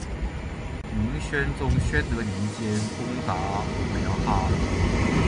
明宣宗宣德年间攻打击兀良哈。